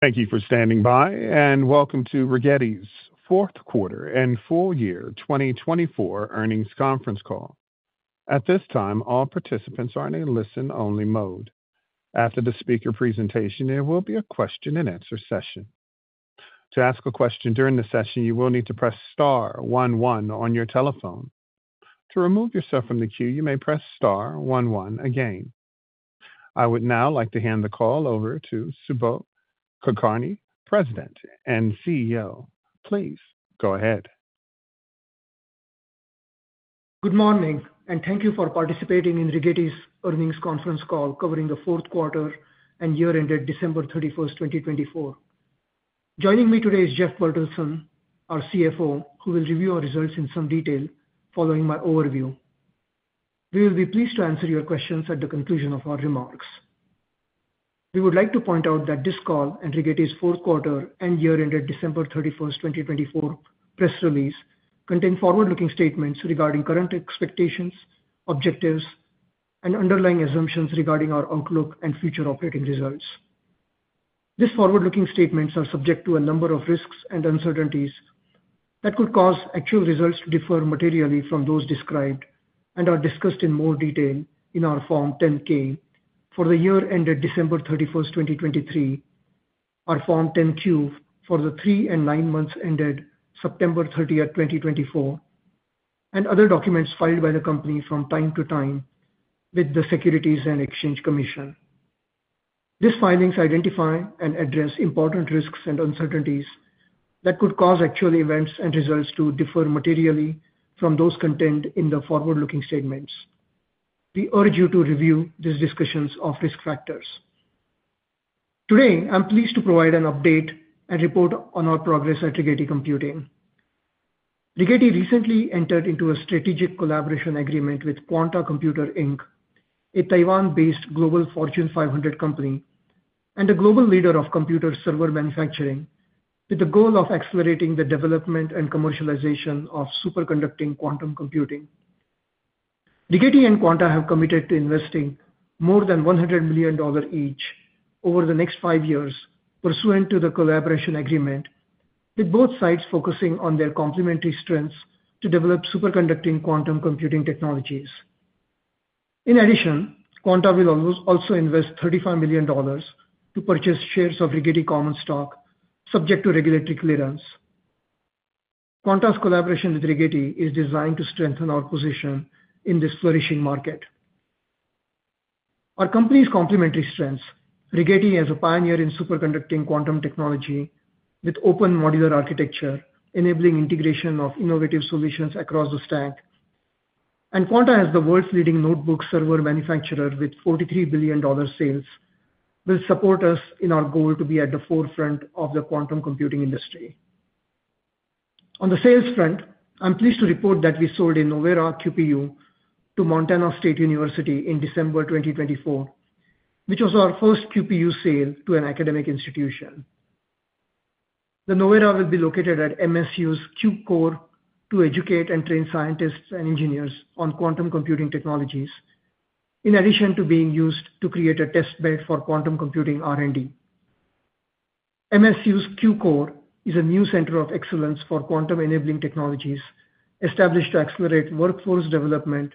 Thank you for standing by, and welcome to Rigetti's Fourth Quarter and Full Year 2024 Earnings Conference Call. At this time, all participants are in a listen-only mode. After the speaker presentation, there will be a question-and-answer session. To ask a question during the session, you will need to press Star one one on your telephone. To remove yourself from the queue, you may press Star one one again. I would now like to hand the call over to Subodh Kulkarni, President and CEO. Please go ahead. Good morning, and thank you for participating in Rigetti's Earnings Conference Call covering the fourth quarter and year-end at December 31, 2024. Joining me today is Jeff Bertelsen, our CFO, who will review our results in some detail following my overview. We will be pleased to answer your questions at the conclusion of our remarks. We would like to point out that this call and Rigetti's Fourth Quarter and year-end at December 31, 2024 press release contain forward-looking statements regarding current expectations, objectives, and underlying assumptions regarding our outlook and future operating results. These forward-looking statements are subject to a number of risks and uncertainties that could cause actual results to differ materially from those described and are discussed in more detail in our Form 10-K for the year ended December 31, 2023, our Form 10-Q for the three and nine months ended September 30, 2024, and other documents filed by the company from time to time with the Securities and Exchange Commission. These findings identify and address important risks and uncertainties that could cause actual events and results to differ materially from those contained in the forward-looking statements. We urge you to review these discussions of risk factors. Today, I'm pleased to provide an update and report on our progress at Rigetti Computing. Rigetti recently entered into a strategic collaboration agreement with Quanta Computer Inc, a Taiwan-based global Fortune 500 company, and a global leader of computer server manufacturing with the goal of accelerating the development and commercialization of superconducting quantum computing. Rigetti and Quanta have committed to investing more than $100 million each over the next five years pursuant to the collaboration agreement, with both sides focusing on their complementary strengths to develop superconducting quantum computing technologies. In addition, Quanta will also invest $35 million to purchase shares of Rigetti Common Stock, subject to regulatory clearance. Quanta's collaboration with Rigetti is designed to strengthen our position in this flourishing market. Our company's complementary strengths: Rigetti as a pioneer in superconducting quantum technology with open modular architecture, enabling integration of innovative solutions across the stack, and Quanta as the world's leading notebook server manufacturer with $43 billion sales will support us in our goal to be at the forefront of the quantum computing industry. On the sales front, I'm pleased to report that we sold a Novera QPU to Montana State University in December 2024, which was our first QPU sale to an academic institution. The Novera will be located at MSU's Q-Core to educate and train scientists and engineers on quantum computing technologies, in addition to being used to create a testbed for quantum computing R&D. MSU's Q-Core is a new center of excellence for quantum-enabling technologies established to accelerate workforce development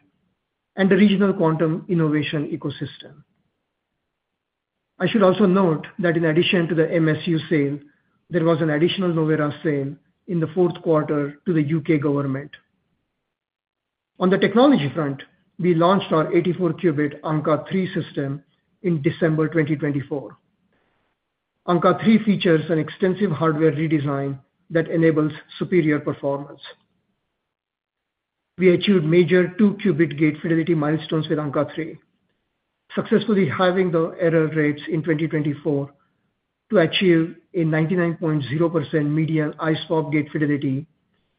and the regional quantum innovation ecosystem. I should also note that in addition to the MSU sale, there was an additional Novera sale in the fourth quarter to the U.K. government. On the technology front, we launched our 84-qubit Ankaa-3 system in December 2024. Ankaa-3 features an extensive hardware redesign that enables superior performance. We achieved major two-qubit gate fidelity milestones with Ankaa-3, successfully halving the error rates in 2024 to achieve a 99.0% median iSWAP gate fidelity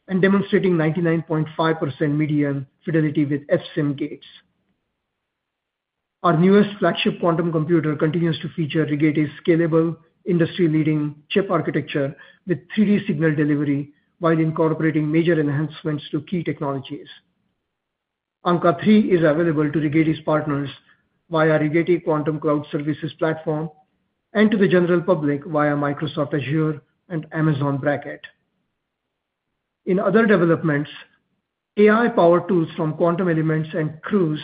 and demonstrating 99.5% median fidelity with fSim gates. Our newest flagship quantum computer continues to feature Rigetti's scalable, industry-leading chip architecture with 3D signal delivery while incorporating major enhancements to key technologies. Ankaa-3 is available to Rigetti's partners via Rigetti Quantum Cloud Services platform and to the general public via Microsoft Azure and Amazon Braket. In other developments, AI-powered tools from Quantum Elements and Qruise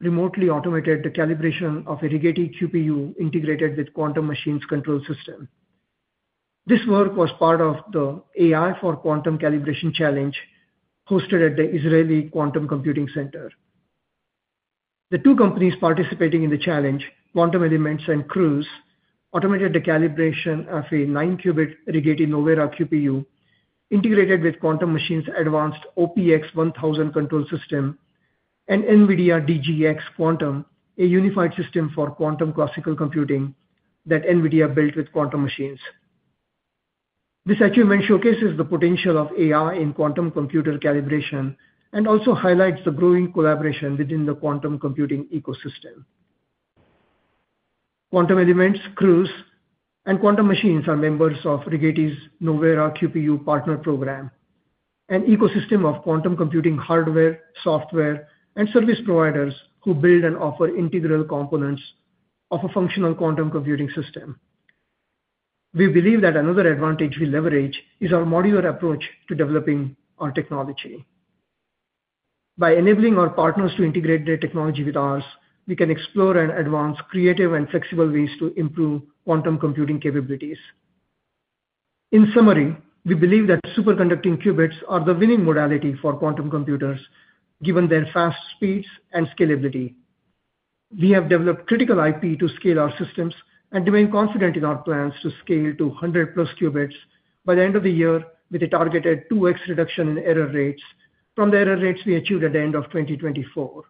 remotely automated the calibration of a Rigetti QPU integrated with Quantum Machines control system. This work was part of the AI for Quantum Calibration Challenge hosted at the Israel Quantum Computing Center. The two companies participating in the challenge, Quantum Elements and Qruise, automated the calibration of a nine-qubit Rigetti Novera QPU integrated with Quantum Machines' advanced OPX1000 control system and NVIDIA DGX Quantum, a unified system for quantum classical computing that NVIDIA built with Quantum Machines. This achievement showcases the potential of AI in quantum computer calibration and also highlights the growing collaboration within the quantum computing ecosystem. Quantum Elements, Qruise, and Quantum Machines are members of Rigetti's Novera QPU partner program, an ecosystem of quantum computing hardware, software, and service providers who build and offer integral components of a functional quantum computing system. We believe that another advantage we leverage is our modular approach to developing our technology. By enabling our partners to integrate their technology with ours, we can explore and advance creative and flexible ways to improve quantum computing capabilities. In summary, we believe that superconducting qubits are the winning modality for quantum computers given their fast speeds and scalability. We have developed critical IP to scale our systems and remain confident in our plans to scale to 100 plus qubits by the end of the year with a targeted 2x reduction in error rates from the error rates we achieved at the end of 2024.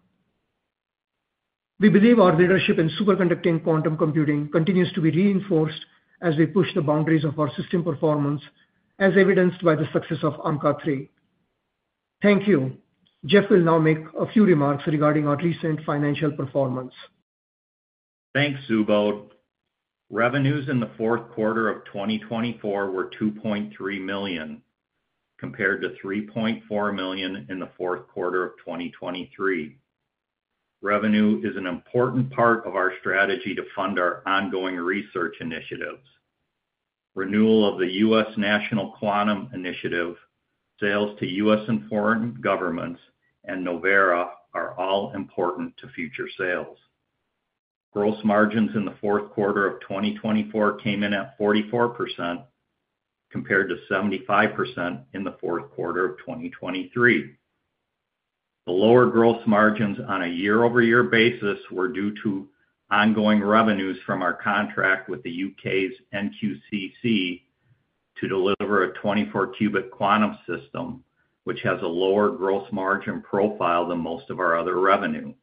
We believe our leadership in superconducting quantum computing continues to be reinforced as we push the boundaries of our system performance, as evidenced by the success of Ankaa-3. Thank you. Jeff will now make a few remarks regarding our recent financial performance. Thanks, Subodh. Revenues in the fourth quarter of 2024 were $2.3 million compared to $3.4 million in the fourth quarter of 2023. Revenue is an important part of our strategy to fund our ongoing research initiatives. Renewal of the U.S. National Quantum Initiative, sales to U.S. and foreign governments, and Novera are all important to future sales. Gross margins in the fourth quarter of 2024 came in at 44% compared to 75% in the fourth quarter of 2023. The lower gross margins on a year-over-year basis were due to ongoing revenues from our contract with the U.K.'s NQCC to deliver a 24-qubit quantum system, which has a lower gross margin profile than most of our other revenue.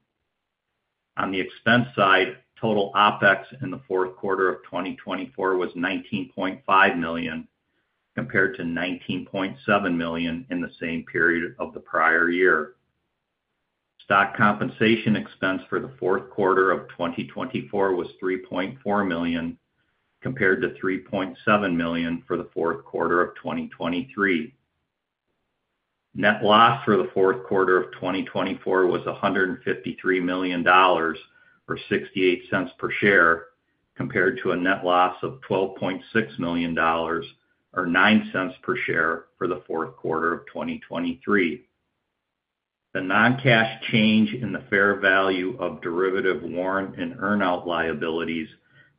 On the expense side, total OpEx in the fourth quarter of 2024 was $19.5 million compared to $19.7 million in the same period of the prior year. Stock compensation expense for the fourth quarter of 2024 was $3.4 million compared to $3.7 million for the fourth quarter of 2023. Net loss for the fourth quarter of 2024 was $153 million or $0.68 per share compared to a net loss of $12.6 million or $0.09 per share for the fourth quarter of 2023. The non-cash change in the fair value of derivative warrant and earn-out liabilities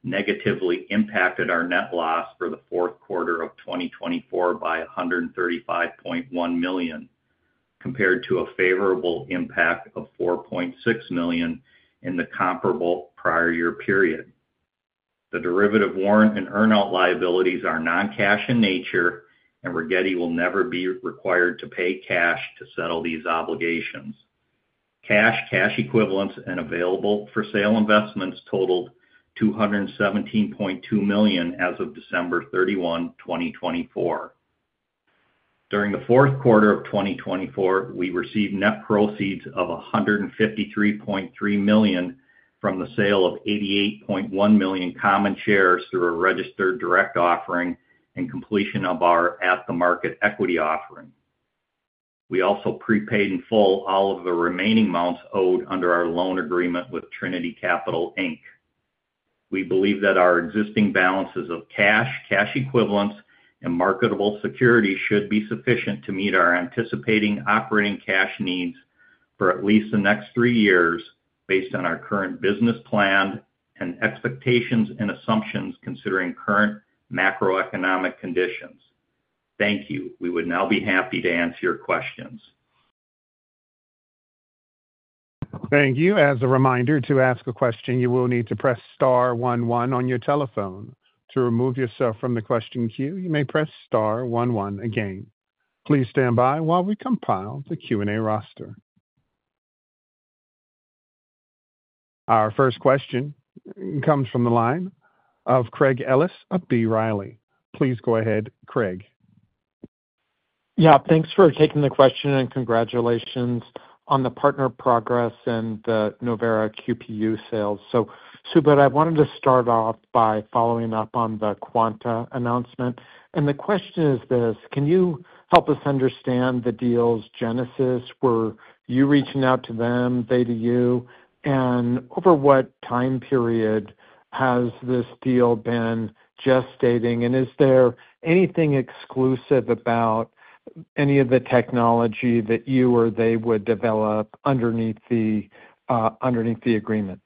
negatively impacted our net loss for the fourth quarter of 2024 by $135.1 million compared to a favorable impact of $4.6 million in the comparable prior year period. The derivative warrant and earn-out liabilities are non-cash in nature, and Rigetti will never be required to pay cash to settle these obligations. Cash, cash equivalents, and available-for-sale investments totaled $217.2 million as of December 31, 2024. During the fourth quarter of 2024, we received net proceeds of $153.3 million from the sale of $88.1 million common shares through a registered direct offering and completion of our at-the-market equity offering. We also prepaid in full all of the remaining amounts owed under our loan agreement with Trinity Capital Inc. We believe that our existing balances of cash, cash equivalents, and marketable securities should be sufficient to meet our anticipated operating cash needs for at least the next three years based on our current business plan and expectations and assumptions considering current macroeconomic conditions. Thank you. We would now be happy to answer your questions. Thank you. As a reminder to ask a question, you will need to press Star one one on your telephone. To remove yourself from the question queue, you may press Star one one again. Please stand by while we compile the Q&A roster. Our first question comes from the line of Craig Ellis of B. Riley. Please go ahead, Craig. Yeah, thanks for taking the question and congratulations on the partner progress and the Novera QPU sales. Subodh, I wanted to start off by following up on the Quanta announcement. The question is this: Can you help us understand the deal's genesis? Were you reaching out to them, they to you, and over what time period has this deal been gestating? Is there anything exclusive about any of the technology that you or they would develop underneath the agreement?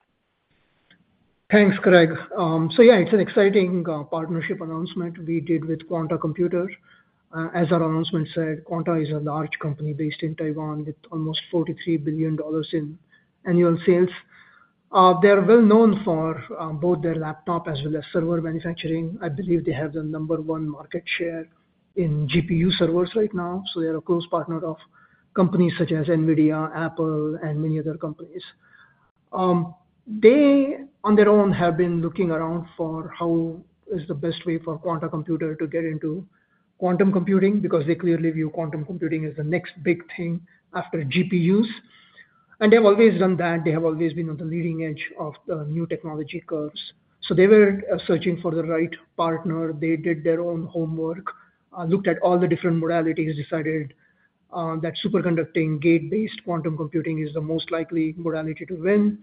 Thanks, Craig. So, yeah, it's an exciting partnership announcement we did with Quanta Computer. As our announcement said, Quanta is a large company based in Taiwan with almost $43 billion in annual sales. They are well known for both their laptop as well as server manufacturing. I believe they have the number one market share in GPU servers right now. So, they are a close partner of companies such as NVIDIA, Apple, and many other companies. They, on their own, have been looking around for how is the best way for Quanta Computer to get into quantum computing because they clearly view quantum computing as the next big thing after GPUs. And they have always done that. They have always been on the leading edge of the new technology curves. So, they were searching for the right partner. They did their own homework, looked at all the different modalities, decided that superconducting gate-based quantum computing is the most likely modality to win.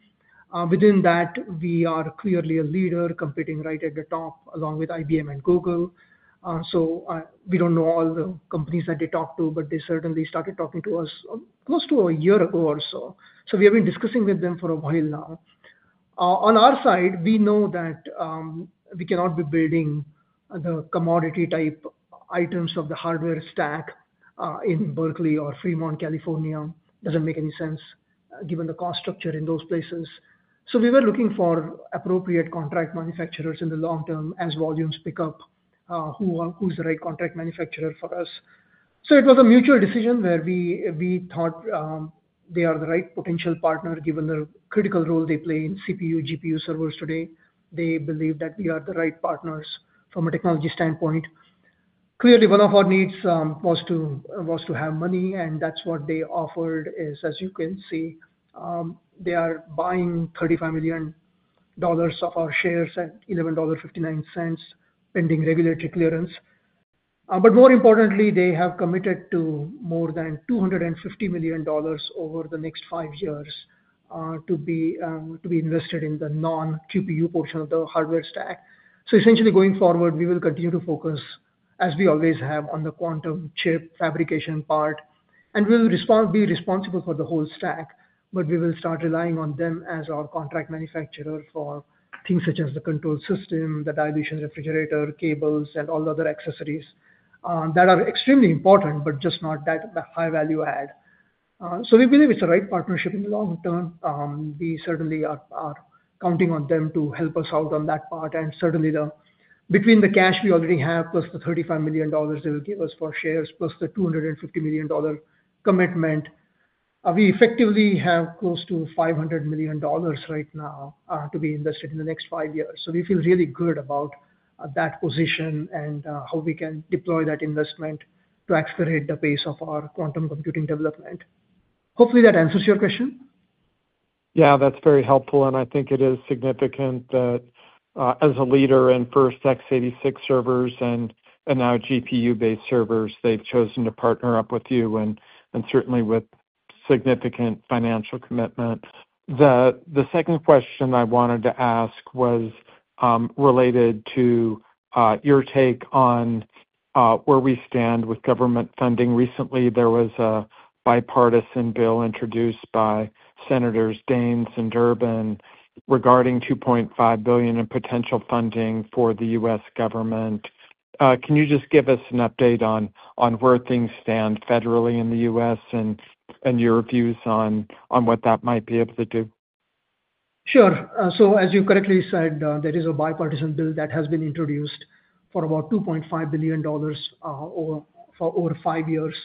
Within that, we are clearly a leader competing right at the top along with IBM and Google. So, we don't know all the companies that they talked to, but they certainly started talking to us close to a year ago or so. So, we have been discussing with them for a while now. On our side, we know that we cannot be building the commodity-type items of the hardware stack in Berkeley or Fremont, California. It doesn't make any sense given the cost structure in those places. So, we were looking for appropriate contract manufacturers in the long term as volumes pick up, who's the right contract manufacturer for us? So, it was a mutual decision where we thought they are the right potential partner given the critical role they play in CPU, GPU servers today. They believe that we are the right partners from a technology standpoint. Clearly, one of our needs was to have money, and that's what they offered, as you can see, they are buying $35 million of our shares at $11.59 pending regulatory clearance. But more importantly, they have committed to more than $250 million over the next five years to be invested in the non-QPU portion of the hardware stack. Essentially, going forward, we will continue to focus, as we always have, on the quantum chip fabrication part, and we'll be responsible for the whole stack, but we will start relying on them as our contract manufacturer for things such as the control system, the dilution refrigerator, cables, and all the other accessories that are extremely important but just not that high-value add. We believe it's the right partnership in the long term. We certainly are counting on them to help us out on that part. Certainly, between the cash we already have plus the $35 million they will give us for shares plus the $250 million commitment, we effectively have close to $500 million right now to be invested in the next five years. So, we feel really good about that position and how we can deploy that investment to accelerate the pace of our quantum computing development. Hopefully, that answers your question. Yeah, that's very helpful. And I think it is significant that as a leader in first x86 servers and now GPU-based servers, they've chosen to partner up with you and certainly with significant financial commitment. The second question I wanted to ask was related to your take on where we stand with government funding. Recently, there was a bipartisan bill introduced by Senators Daines and Durbin regarding $2.5 billion in potential funding for the U.S. government. Can you just give us an update on where things stand federally in the U.S. and your views on what that might be able to do? Sure. So, as you correctly said, there is a bipartisan bill that has been introduced for about $2.5 billion for over five years.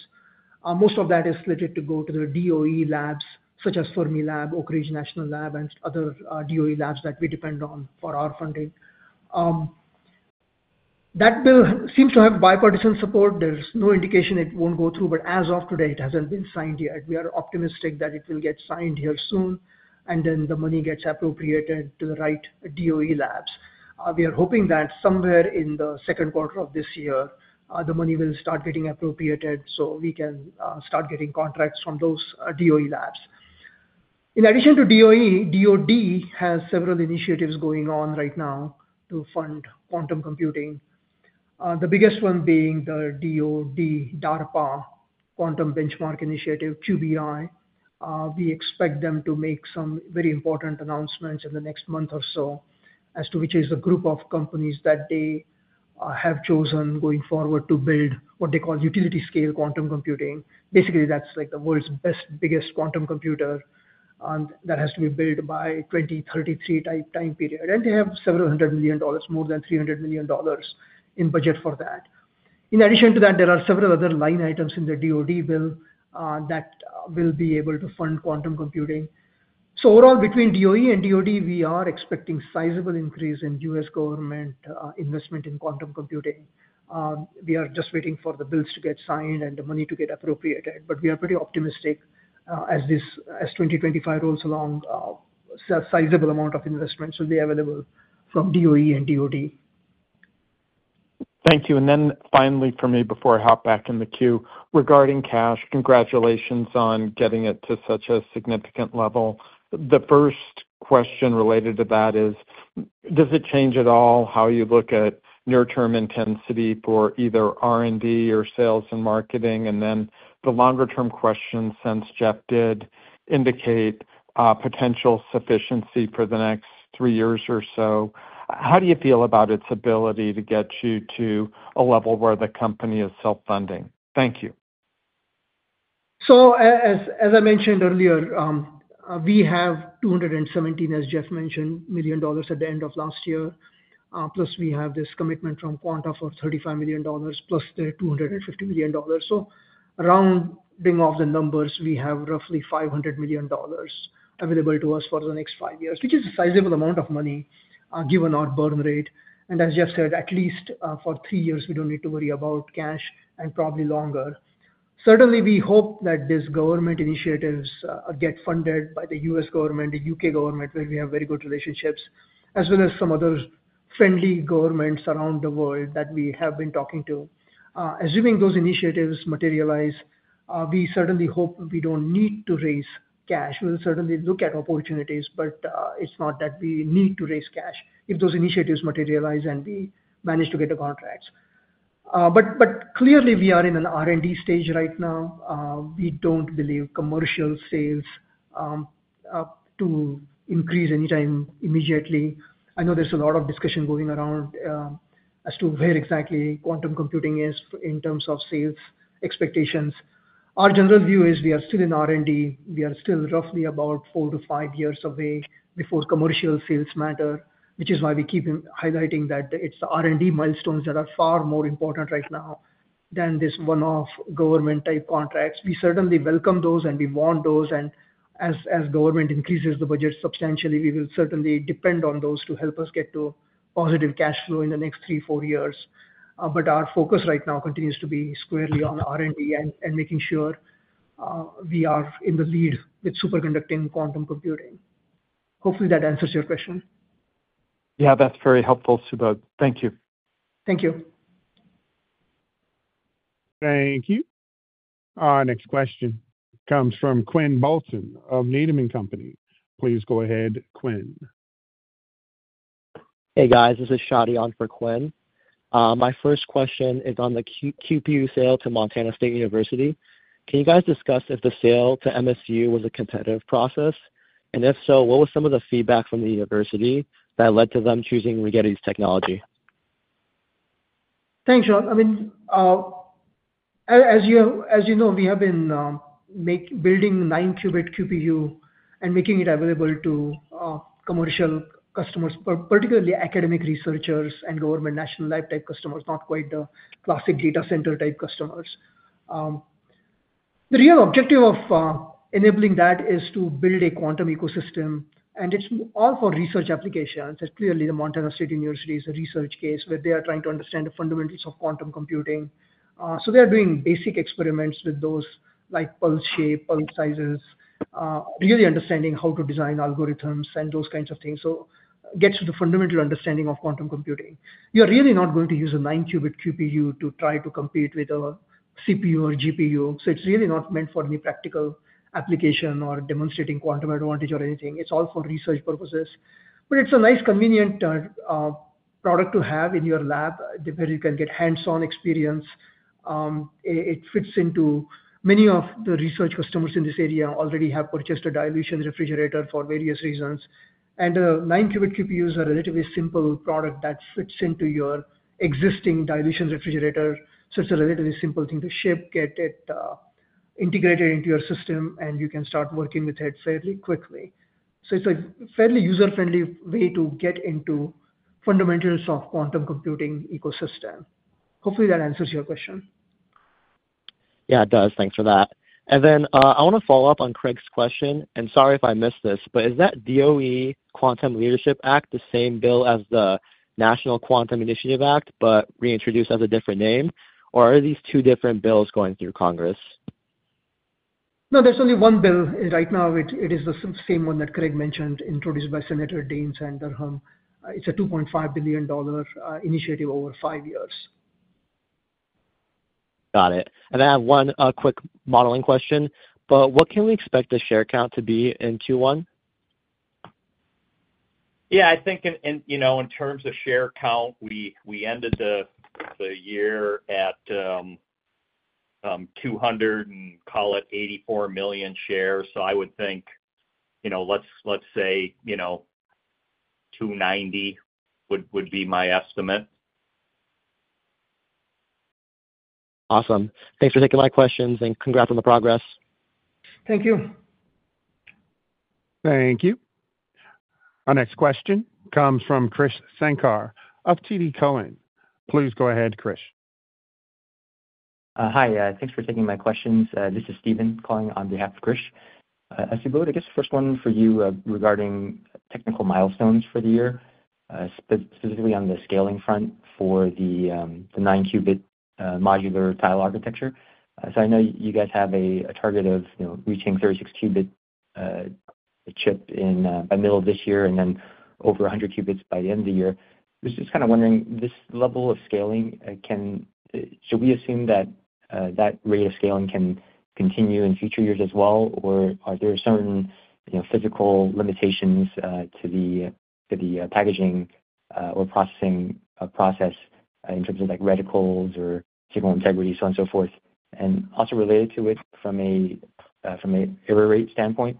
Most of that is slated to go to the DOE labs such as Fermilab, Oak Ridge National Laboratory, and other DOE labs that we depend on for our funding. That bill seems to have bipartisan support. There's no indication it won't go through, but as of today, it hasn't been signed yet. We are optimistic that it will get signed here soon, and then the money gets appropriated to the right DOE labs. We are hoping that somewhere in the second quarter of this year, the money will start getting appropriated so we can start getting contracts from those DOE labs. In addition to DOE, DOD has several initiatives going on right now to fund quantum computing, the biggest one being the DOD DARPA Quantum Benchmarking Initiative, QBI. We expect them to make some very important announcements in the next month or so as to which is the group of companies that they have chosen going forward to build what they call utility-scale quantum computing. Basically, that's like the world's best, biggest quantum computer that has to be built by 2033 type time period. And they have several hundred million dollars, more than $300 million in budget for that. In addition to that, there are several other line items in the DOD bill that will be able to fund quantum computing. So, overall, between DOE and DOD, we are expecting a sizable increase in U.S. government investment in quantum computing. We are just waiting for the bills to get signed and the money to get appropriated. But we are pretty optimistic as 2025 rolls along, a sizable amount of investment should be available from DOE and DOD. Thank you. And then finally for me, before I hop back in the queue, regarding cash, congratulations on getting it to such a significant level. The first question related to that is, does it change at all how you look at near-term intensity for either R&D or sales and marketing? And then the longer-term question, since Jeff did indicate potential sufficiency for the next three years or so, how do you feel about its ability to get you to a level where the company is self-funding? Thank you. As I mentioned earlier, we have $217 million, as Jeff mentioned, at the end of last year. Plus, we have this commitment from Quanta for $35 million plus the $250 million. Rounding off the numbers, we have roughly $500 million available to us for the next five years, which is a sizable amount of money given our burn rate. As Jeff said, at least for three years, we don't need to worry about cash and probably longer. Certainly, we hope that these government initiatives get funded by the U.S. government, the U.K. government, where we have very good relationships, as well as some other friendly governments around the world that we have been talking to. Assuming those initiatives materialize, we certainly hope we don't need to raise cash. We'll certainly look at opportunities, but it's not that we need to raise cash if those initiatives materialize and we manage to get the contracts. But clearly, we are in an R&D stage right now. We don't believe commercial sales to increase anytime immediately. I know there's a lot of discussion going around as to where exactly quantum computing is in terms of sales expectations. Our general view is we are still in R&D. We are still roughly about four-five years away before commercial sales matter, which is why we keep highlighting that it's the R&D milestones that are far more important right now than this one-off government-type contracts. We certainly welcome those, and we want those. And as government increases the budget substantially, we will certainly depend on those to help us get to positive cash flow in the next three-four years. But our focus right now continues to be squarely on R&D and making sure we are in the lead with superconducting quantum computing. Hopefully, that answers your question. Yeah, that's very helpful, Subodh. Thank you. Thank you. Thank you. Next question comes from Quinn Bolton of Needham & Company. Please go ahead, Quinn. Hey, guys. This is Shadi on for Quinn. My first question is on the QPU sale to Montana State University. Can you guys discuss if the sale to MSU was a competitive process? And if so, what was some of the feedback from the university that led to them choosing Rigetti's technology? Thanks, Shadi. I mean, as you know, we have been building nine-qubit QPU and making it available to commercial customers, particularly academic researchers and government national lab-type customers, not quite the classic data center-type customers. The real objective of enabling that is to build a quantum ecosystem, and it's all for research applications. Clearly, the Montana State University is a research case where they are trying to understand the fundamentals of quantum computing, so they are doing basic experiments with those like pulse shape, pulse sizes, really understanding how to design algorithms and those kinds of things, so it gets to the fundamental understanding of quantum computing. You are really not going to use a nine-qubit QPU to try to compete with a CPU or GPU, so it's really not meant for any practical application or demonstrating quantum advantage or anything. It's all for research purposes. But it's a nice, convenient product to have in your lab where you can get hands-on experience. It fits into many of the research customers in this area already have purchased a dilution refrigerator for various reasons. And the nine-qubit QPUs are a relatively simple product that fits into your existing dilution refrigerator. So, it's a relatively simple thing to ship, get it integrated into your system, and you can start working with it fairly quickly. So, it's a fairly user-friendly way to get into the fundamentals of quantum computing ecosystem. Hopefully, that answers your question. Yeah, it does. Thanks for that. And then I want to follow up on Craig's question. And sorry if I missed this, but is that DOE Quantum Leadership Act the same bill as the National Quantum Initiative Act but reintroduced as a different name? Or are these two different bills going through Congress? No, there's only one bill right now. It is the same one that Craig mentioned, introduced by Senator Daines and Durbin. It's a $2.5 billion initiative over five years. Got it. And I have one quick modeling question. But what can we expect the share count to be in Q1? Yeah, I think in terms of share count, we ended the year at 200, call it 84 million shares. So, I would think, let's say 290 would be my estimate. Awesome. Thanks for taking my questions and congrats on the progress. Thank you. Thank you. Our next question comes from Krish Sankar of TD Cowen. Please go ahead, Krish. Hi, thanks for taking my questions. This is Steven calling on behalf of Krish. Subodh, I guess the first one for you regarding technical milestones for the year, specifically on the scaling front for the 9-qubit modular tile architecture. So, I know you guys have a target of reaching 36-qubit a chip by middle of this year and then over 100 qubits by the end of the year. Just kind of wondering, this level of scaling, should we assume that that rate of scaling can continue in future years as well, or are there certain physical limitations to the packaging or processing process in terms of reticles or signal integrity, so on and so forth? And also related to it from an error rate standpoint,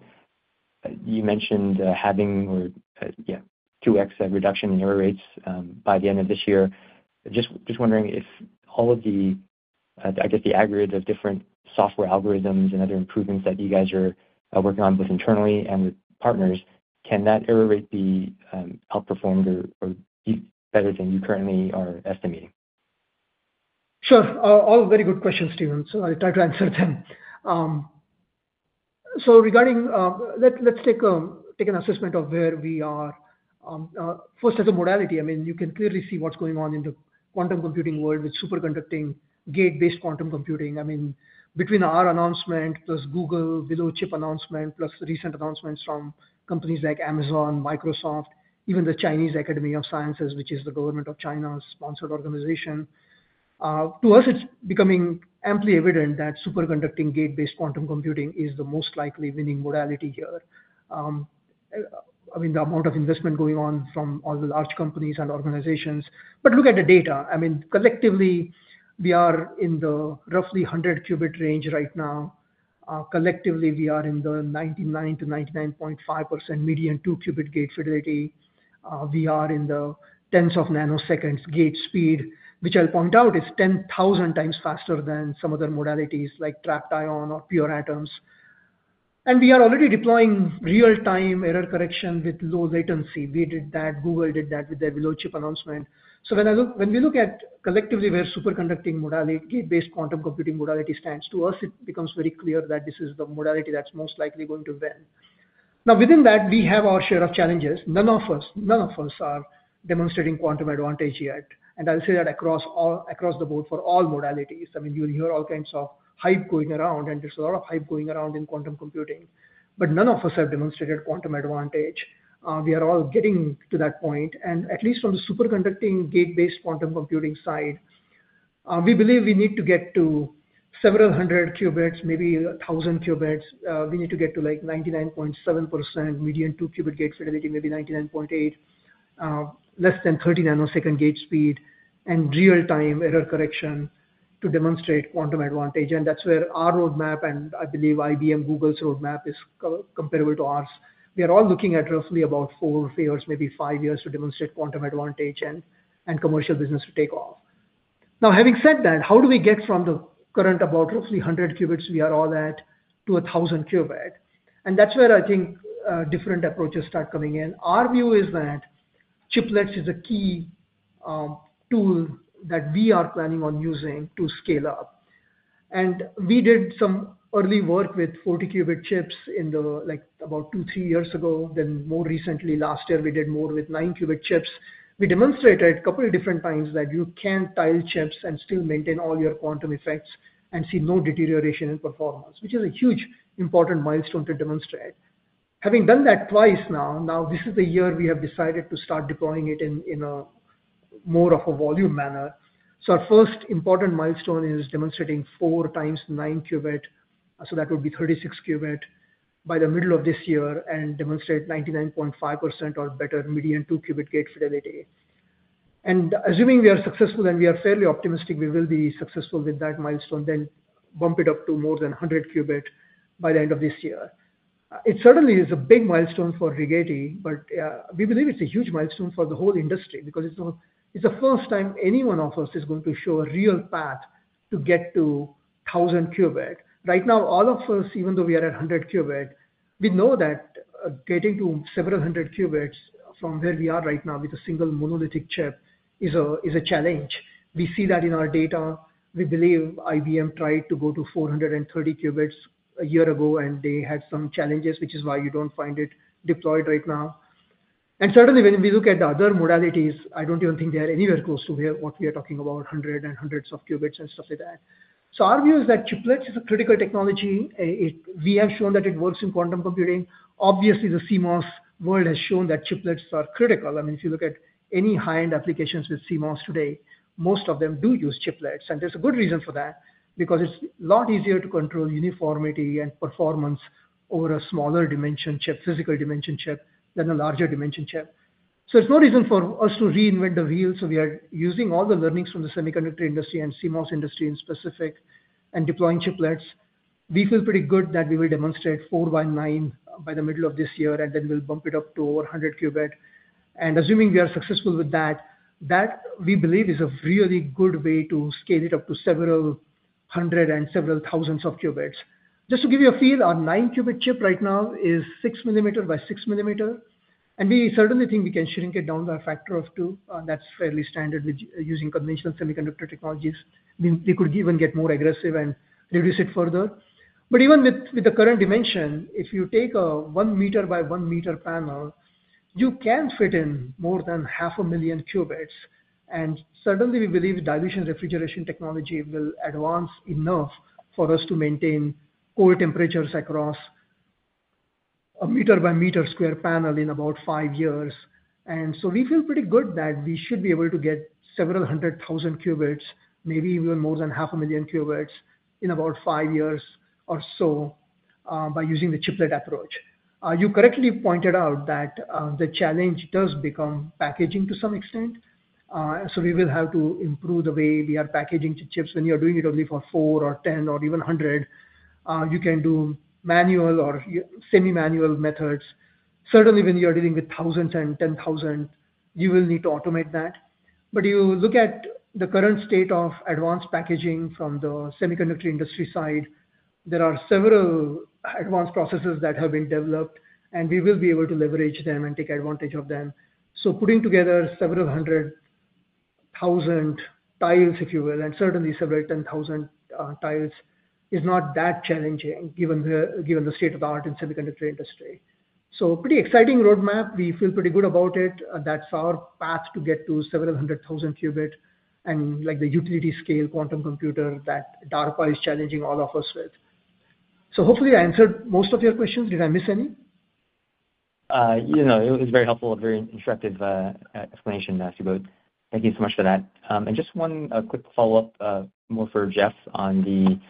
you mentioned having 2x reduction in error rates by the end of this year. Just wondering if all of the, I guess, the aggregates of different software algorithms and other improvements that you guys are working on both internally and with partners, can that error rate be outperformed or be better than you currently are estimating? Sure. All very good questions, Steven. So, I'll try to answer them. So, let's take an assessment of where we are. First, as a modality, I mean, you can clearly see what's going on in the quantum computing world with superconducting gate-based quantum computing. I mean, between our announcement plus Google Willow Chip announcement plus recent announcements from companies like Amazon, Microsoft, even the Chinese Academy of Sciences, which is the government of China's sponsored organization, to us, it's becoming amply evident that superconducting gate-based quantum computing is the most likely winning modality here. I mean, the amount of investment going on from all the large companies and organizations. But look at the data. I mean, collectively, we are in the roughly 100-qubit range right now. Collectively, we are in the 99%-99.5% median two-qubit gate fidelity. We are in the tens of nanoseconds gate speed, which I'll point out is 10,000 times faster than some other modalities like trapped ion or pure atoms. And we are already deploying real-time error correction with low latency. We did that. Google did that with their Willow chip announcement. So, when we look at collectively where superconducting gate-based quantum computing modality stands, to us, it becomes very clear that this is the modality that's most likely going to win. Now, within that, we have our share of challenges. None of us, none of us are demonstrating quantum advantage yet. And I'll say that across the board for all modalities. I mean, you'll hear all kinds of hype going around, and there's a lot of hype going around in quantum computing. But none of us have demonstrated quantum advantage. We are all getting to that point. At least on the superconducting gate-based quantum computing side, we believe we need to get to several hundred qubits, maybe 1,000 qubits. We need to get to like 99.7% median two-qubit gate fidelity, maybe 99.8%, less than 30-nanosecond gate speed, and real-time error correction to demonstrate quantum advantage. That's where our roadmap, and I believe IBM, Google's roadmap is comparable to ours. We are all looking at roughly about four years, maybe five years to demonstrate quantum advantage and commercial business to take off. Now, having said that, how do we get from the current about roughly 100 qubits we are all at to 1,000-qubit? That's where I think different approaches start coming in. Our view is that chiplets is a key tool that we are planning on using to scale up. And we did some early work with 40-qubit chips in about two, three years ago. Then, more recently, last year, we did more with nine-qubit chips. We demonstrated a couple of different times that you can tile chips and still maintain all your quantum effects and see no deterioration in performance, which is a huge important milestone to demonstrate. Having done that twice now, now this is the year we have decided to start deploying it in more of a volume manner. So, our first important milestone is demonstrating four times nine-qubit. So, that would be 36-qubit by the middle of this year and demonstrate 99.5% or better median two-qubit gate fidelity. And assuming we are successful and we are fairly optimistic we will be successful with that milestone, then bump it up to more than 100-qubit by the end of this year. It certainly is a big milestone for Rigetti, but we believe it's a huge milestone for the whole industry because it's the first time any one of us is going to show a real path to get to 1,000-qubit. Right now, all of us, even though we are at 100-qubit, we know that getting to several hundred qubits from where we are right now with a single monolithic chip is a challenge. We see that in our data. We believe IBM tried to go to 430 qubits a year ago, and they had some challenges, which is why you don't find it deployed right now. And certainly, when we look at the other modalities, I don't even think they are anywhere close to what we are talking about, 100 and hundreds of qubits and stuff like that. So, our view is that chiplets is a critical technology. We have shown that it works in quantum computing. Obviously, the CMOS world has shown that chiplets are critical. I mean, if you look at any high-end applications with CMOS today, most of them do use chiplets. And there's a good reason for that because it's a lot easier to control uniformity and performance over a smaller dimension chip, physical dimension chip, than a larger dimension chip. So, there's no reason for us to reinvent the wheel. So, we are using all the learnings from the semiconductor industry and CMOS industry in specific and deploying chiplets. We feel pretty good that we will demonstrate 4x9 by the middle of this year, and then we'll bump it up to over 100-qubit. And assuming we are successful with that, that we believe is a really good way to scale it up to several hundred and several thousands of qubits. Just to give you a feel, our nine-qubit chip right now is 6 millimeters by 6 millimeters. And we certainly think we can shrink it down by a factor of two. That's fairly standard using conventional semiconductor technologies. We could even get more aggressive and reduce it further. But even with the current dimension, if you take a 1-meter by 1-meter panel, you can fit in more than 500,000 qubits. And certainly, we believe dilution refrigeration technology will advance enough for us to maintain cold temperatures across a meter-by-meter square panel in about five years. And so, we feel pretty good that we should be able to get several hundred thousand qubits, maybe even more than 500,000 qubits in about five years or so by using the chiplet approach. You correctly pointed out that the challenge does become packaging to some extent. So, we will have to improve the way we are packaging the chips. When you are doing it only for four or 10 or even 100, you can do manual or semi-manual methods. Certainly, when you are dealing with thousands and 10,000, you will need to automate that. But you look at the current state of advanced packaging from the semiconductor industry side, there are several advanced processes that have been developed, and we will be able to leverage them and take advantage of them. So, putting together several hundred thousand tiles, if you will, and certainly several 10,000 tiles is not that challenging given the state of the art in the semiconductor industry. So, pretty exciting roadmap. We feel pretty good about it. That's our path to get to several hundred thousand qubits and the utility-scale quantum computer that DARPA is challenging all of us with. So, hopefully, I answered most of your questions. Did I miss any? You know, it was very helpful, very instructive explanation, Subodh. Thank you so much for that. Just one quick follow-up more for Jeff on the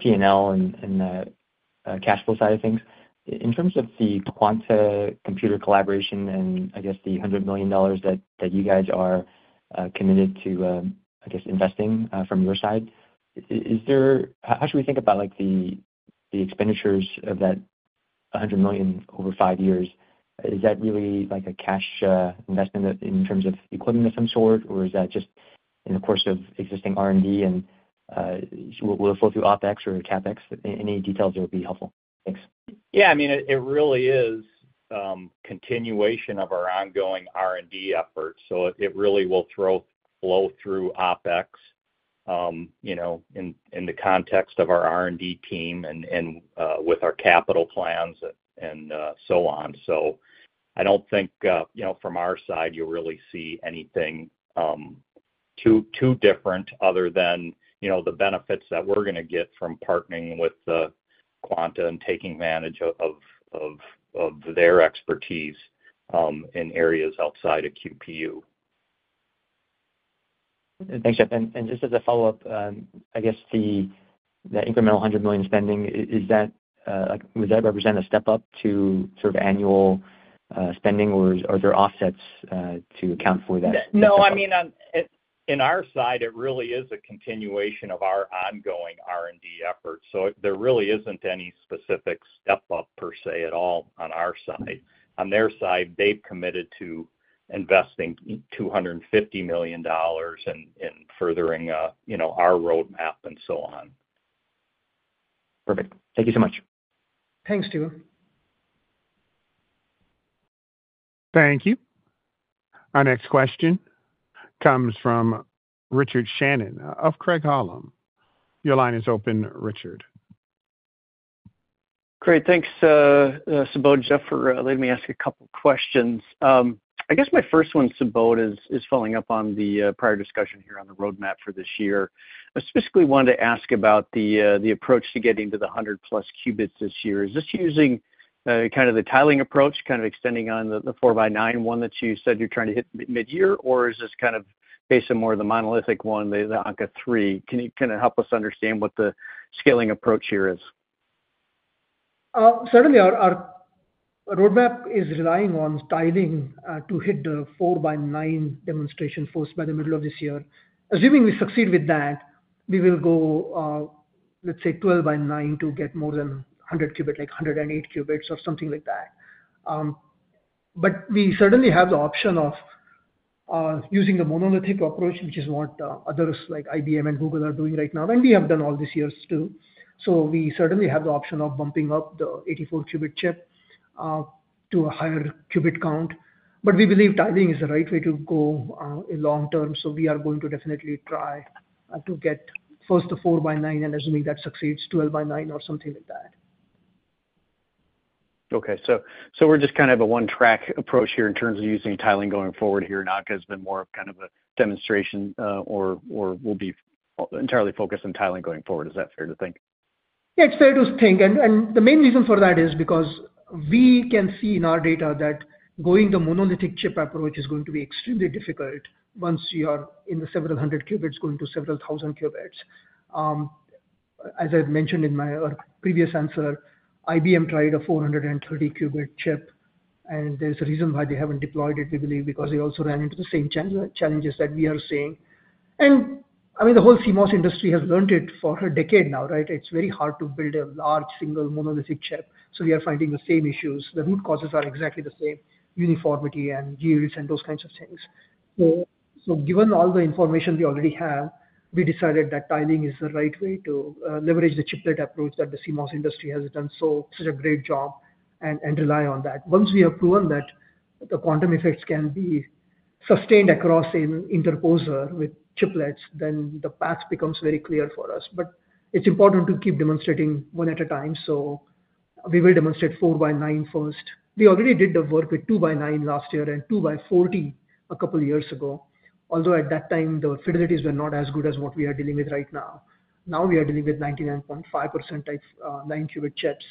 P&L and cash flow side of things. In terms of the Quanta Computer collaboration and, I guess, the $100 million that you guys are committed to, I guess, investing from your side, how should we think about the expenditures of that $100 million over five years? Is that really like a cash investment in terms of equipment of some sort, or is that just in the course of existing R&D and will it flow through OpEx or CapEx? Any details that would be helpful? Thanks. Yeah, I mean, it really is continuation of our ongoing R&D efforts. So, it really will flow through OpEx in the context of our R&D team and with our capital plans and so on. So, I don't think from our side, you'll really see anything too different other than the benefits that we're going to get from partnering with Quanta and taking advantage of their expertise in areas outside of QPU. Thanks, Jeff. And just as a follow-up, I guess the incremental $100 million spending, was that represent a step up to sort of annual spending, or are there offsets to account for that? No, I mean, on our side, it really is a continuation of our ongoing R&D efforts. So, there really isn't any specific step up per se at all on our side. On their side, they've committed to investing $250 million in furthering our roadmap and so on. Perfect. Thank you so much. Thanks, Steven. Thank you. Our next question comes from Richard Shannon of Craig-Hallum. Your line is open, Richard. Great. Thanks, Subodh, Jeff, for letting me ask a couple of questions. I guess my first one, Subodh, is following up on the prior discussion here on the roadmap for this year. I specifically wanted to ask about the approach to getting to the 100-plus qubits this year. Is this using kind of the tiling approach, kind of extending on the 4x9 one that you said you're trying to hit mid-year, or is this kind of based on more of the monolithic one, the Ankaa-3? Can you kind of help us understand what the scaling approach here is? Certainly, our roadmap is relying on tiling to hit the 4x9 demonstration first by the middle of this year. Assuming we succeed with that, we will go, let's say, 12x9 to get more than 100-qubit, like 108 qubits or something like that. But we certainly have the option of using the monolithic approach, which is what others like IBM and Google are doing right now, and we have done all these years too. So, we certainly have the option of bumping up the 84-qubit chip to a higher qubit count. But we believe tiling is the right way to go long term. So, we are going to definitely try to get first the 4x9, and assuming that succeeds, 12x9 or something like that. Okay. So, we're just kind of a one-track approach here in terms of using tiling going forward here. Ankaa has been more of kind of a demonstration or will be entirely focused on tiling going forward. Is that fair to think? Yeah, it's fair to think. And the main reason for that is because we can see in our data that going the monolithic chip approach is going to be extremely difficult once you are in the several hundred qubits going to several thousand qubits. As I mentioned in my previous answer, IBM tried a 430-qubit chip, and there's a reason why they haven't deployed it, we believe, because they also ran into the same challenges that we are seeing. And I mean, the whole CMOS industry has learned it for a decade now, right? It's very hard to build a large single monolithic chip. So, we are finding the same issues. The root causes are exactly the same: uniformity and yields and those kinds of things. Given all the information we already have, we decided that tiling is the right way to leverage the chiplet approach that the CMOS industry has done such a great job and rely on that. Once we have proven that the quantum effects can be sustained across an interposer with chiplets, then the path becomes very clear for us. It is important to keep demonstrating one at a time. We will demonstrate 4x9 first. We already did the work with 2x9 last year and 2x40 a couple of years ago, although at that time, the fidelities were not as good as what we are dealing with right now. Now, we are dealing with 99.5% type nine-qubit chips.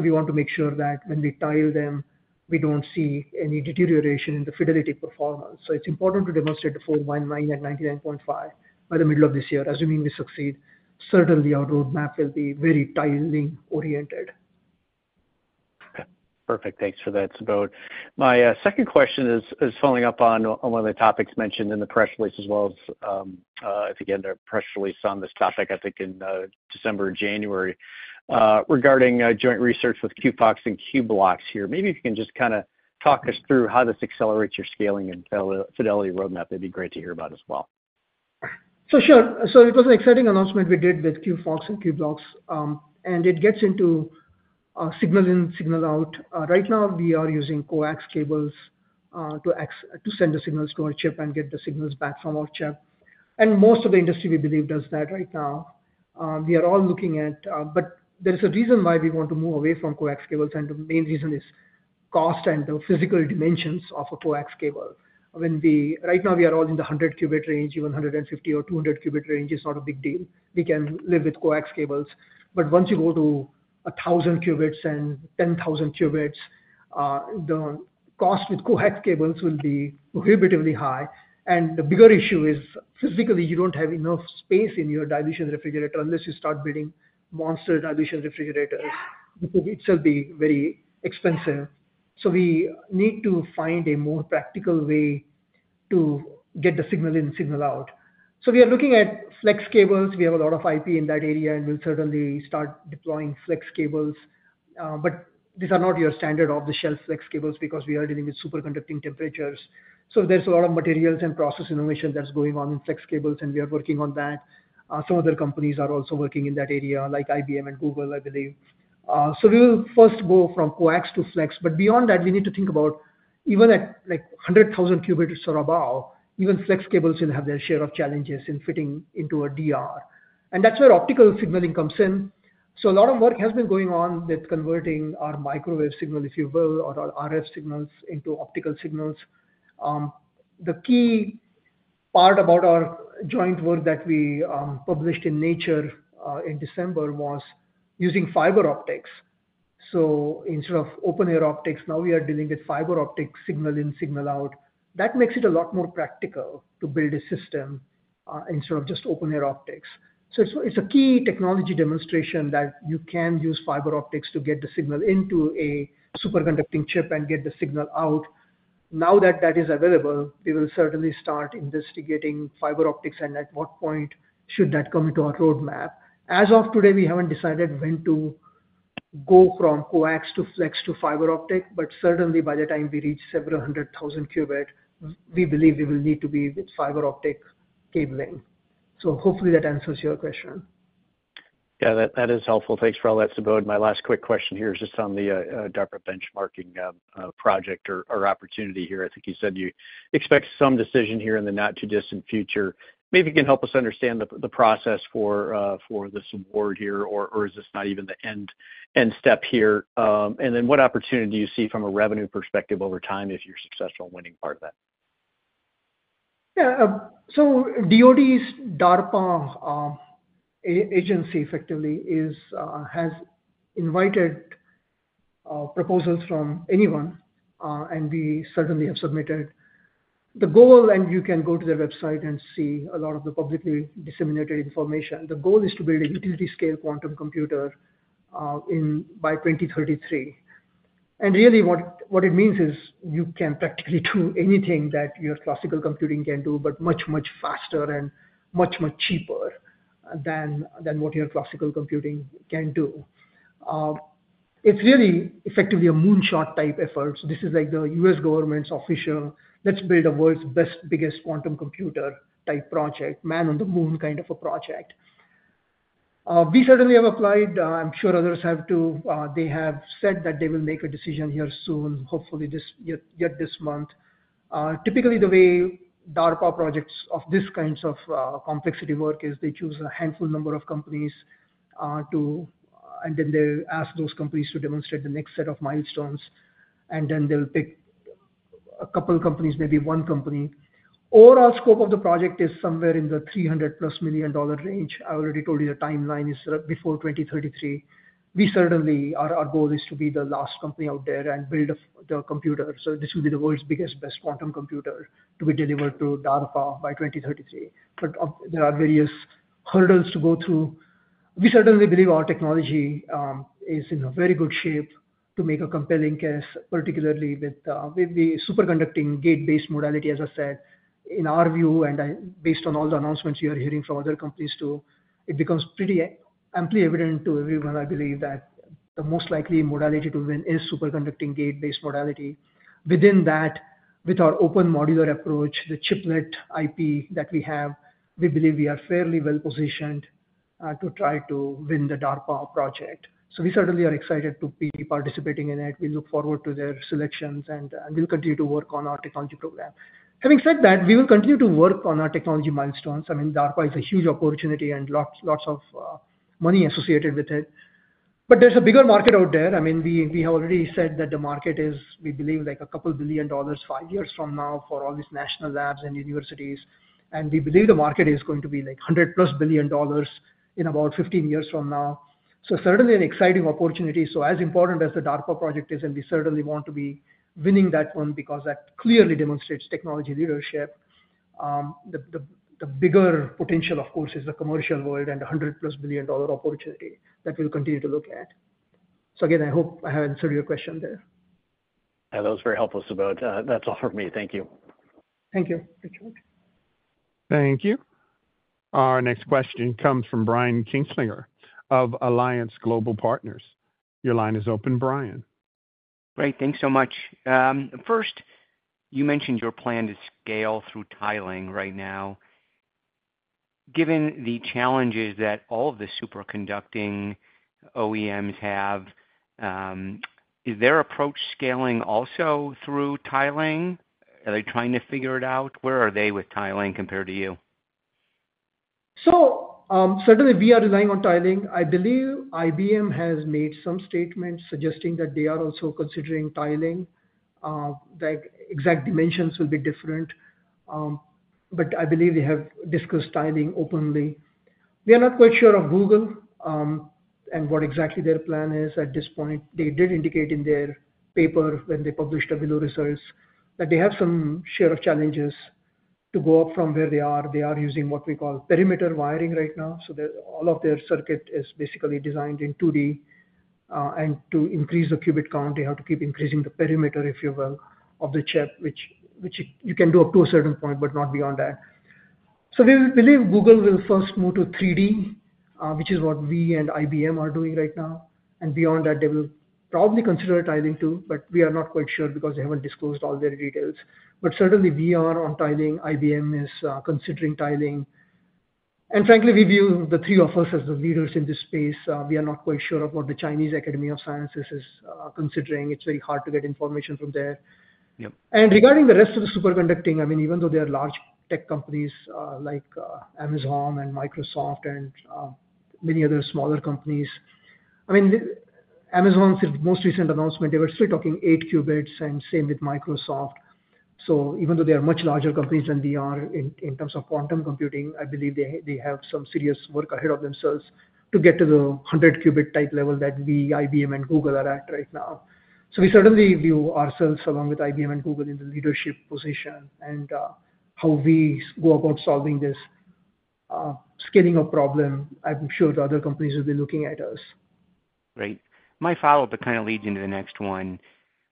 We want to make sure that when we tile them, we do not see any deterioration in the fidelity performance. So, it's important to demonstrate the 4x9 and 99.5% by the middle of this year. Assuming we succeed, certainly our roadmap will be very tiling-oriented. Perfect. Thanks for that, Subodh. My second question is following up on one of the topics mentioned in the press release as well as, I think, in the press release on this topic, I think, in December or January, regarding joint research with QphoX and Qblox here. Maybe if you can just kind of talk us through how this accelerates your scaling and fidelity roadmap, that'd be great to hear about as well. So, sure. So, it was an exciting announcement we did with QphoX and Qblox, and it gets into signal in, signal out. Right now, we are using coax cables to send the signals to our chip and get the signals back from our chip. And most of the industry, we believe, does that right now. We are all looking at, but there is a reason why we want to move away from coax cables, and the main reason is cost and the physical dimensions of a coax cable. Right now, we are all in the 100-qubit range, even 150 or 200-qubit range. It's not a big deal. We can live with coax cables. But once you go to 1,000 qubits and 10,000 qubits, the cost with coax cables will be prohibitively high. The bigger issue is physically, you don't have enough space in your dilution refrigerator unless you start building monster dilution refrigerators. It will be very expensive. So, we need to find a more practical way to get the signal in, signal out. So, we are looking at flex cables. We have a lot of IP in that area, and we'll certainly start deploying flex cables. But these are not your standard off-the-shelf flex cables because we are dealing with superconducting temperatures. So, there's a lot of materials and process innovation that's going on in flex cables, and we are working on that. Some other companies are also working in that area, like IBM and Google, I believe. So, we will first go from coax to flex. Beyond that, we need to think about even at 100,000 qubits or above, even flex cables will have their share of challenges in fitting into a DR. That's where optical signaling comes in. A lot of work has been going on with converting our microwave signal, if you will, or our RF signals into optical signals. The key part about our joint work that we published in Nature in December was using fiber optics. Instead of open-air optics, now we are dealing with fiber optic signal in, signal out. That makes it a lot more practical to build a system instead of just open-air optics. It's a key technology demonstration that you can use fiber optics to get the signal into a superconducting chip and get the signal out. Now that that is available, we will certainly start investigating fiber optics and at what point should that come into our roadmap. As of today, we haven't decided when to go from coax to flex to fiber optic, but certainly by the time we reach several hundred thousand qubit, we believe we will need to be with fiber optic cabling. So, hopefully, that answers your question. Yeah, that is helpful. Thanks for all that, Subodh. My last quick question here is just on the DARPA benchmarking project or opportunity here. I think you said you expect some decision here in the not-too-distant future. Maybe you can help us understand the process for this award here, or is this not even the end step here? And then what opportunity do you see from a revenue perspective over time if you're successful in winning part of that? Yeah. So, DOD's DARPA agency effectively has invited proposals from anyone, and we certainly have submitted. The goal, and you can go to their website and see a lot of the publicly disseminated information, the goal is to build a utility-scale quantum computer by 2033. And really, what it means is you can practically do anything that your classical computing can do, but much, much faster and much, much cheaper than what your classical computing can do. It's really effectively a moonshot type effort. So, this is like the U.S. government's official, "Let's build the world's best, biggest quantum computer type project, man on the moon kind of a project." We certainly have applied. I'm sure others have too. They have said that they will make a decision here soon, hopefully yet this month. Typically, the way DARPA projects of this kind of complexity work is they choose a handful of companies, and then they ask those companies to demonstrate the next set of milestones, and then they'll pick a couple of companies, maybe one company. Overall scope of the project is somewhere in the $300-plus million range. I already told you the timeline is before 2033. We certainly, our goal is to be the last company out there and build the computer. So, this will be the world's biggest, best quantum computer to be delivered to DARPA by 2033. But there are various hurdles to go through. We certainly believe our technology is in very good shape to make a compelling case, particularly with the superconducting gate-based modality, as I said. In our view, and based on all the announcements you are hearing from other companies too, it becomes pretty amply evident to everyone, I believe, that the most likely modality to win is superconducting gate-based modality. Within that, with our open modular approach, the chiplet IP that we have, we believe we are fairly well positioned to try to win the DARPA project. So, we certainly are excited to be participating in it. We look forward to their selections, and we'll continue to work on our technology program. Having said that, we will continue to work on our technology milestones. I mean, DARPA is a huge opportunity and lots of money associated with it. But there's a bigger market out there. I mean, we have already said that the market is, we believe, $2 billion five years from now for all these national labs and universities. We believe the market is going to be like $100-plus billion in about 15 years from now. Certainly an exciting opportunity. As important as the DARPA project is, and we certainly want to be winning that one because that clearly demonstrates technology leadership. The bigger potential, of course, is the commercial world and the $100-plus billion opportunity that we'll continue to look at. Again, I hope I have answered your question there. That was very helpful, Subodh. That's all from me. Thank you. Thank you. Thank you. Our next question comes from Brian Kinstlinger of Alliance Global Partners. Your line is open, Brian. Great. Thanks so much. First, you mentioned your plan to scale through tiling right now. Given the challenges that all of the superconducting OEMs have, is their approach scaling also through tiling? Are they trying to figure it out? Where are they with tiling compared to you? Certainly, we are relying on tiling. I believe IBM has made some statements suggesting that they are also considering tiling. The exact dimensions will be different. I believe they have discussed tiling openly. We are not quite sure of Google and what exactly their plan is at this point. They did indicate in their paper when they published Willow results that they have some sheer challenges to go up from where they are. They are using what we call perimeter wiring right now. All of their circuit is basically designed in 2D. To increase the qubit count, they have to keep increasing the perimeter, if you will, of the chip, which you can do up to a certain point, but not beyond that. We believe Google will first move to 3D, which is what we and IBM are doing right now. Beyond that, they will probably consider tiling too, but we are not quite sure because they haven't disclosed all their details. Certainly, we are on tiling. IBM is considering tiling. Frankly, we view the three of us as the leaders in this space. We are not quite sure of what the Chinese Academy of Sciences is considering. It's very hard to get information from there. Regarding the rest of the superconducting, I mean, even though they are large tech companies like Amazon and Microsoft and many other smaller companies, I mean, Amazon's most recent announcement, they were still talking eight qubits and same with Microsoft. So, even though they are much larger companies than we are in terms of quantum computing, I believe they have some serious work ahead of themselves to get to the 100-qubit type level that we, IBM and Google are at right now. So, we certainly view ourselves along with IBM and Google in the leadership position and how we go about solving this scaling of problem. I'm sure other companies will be looking at us. Right. My follow-up that kind of leads into the next one.